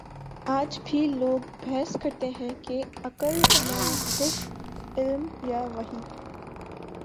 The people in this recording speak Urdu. آج بھی لوگ بحث کرتے ہیں کہ عقل ماخذ علم یا وحی؟